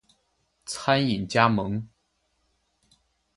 餐饮加盟